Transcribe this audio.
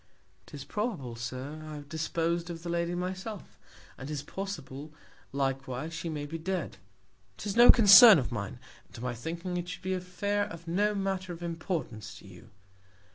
'Tis probable, Sir, I have dispos'd of the Lady myself; and 'tis possible, likewise, she may be dead; 'tis no Concern of mine; and to my thinking, it should be an Affair of no Manner of Importance to you.